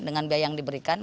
dengan biaya yang diberikan